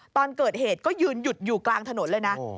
ตอนเกิดเหตุก็ยืนหยุดอยู่กลางถนนเลยนะ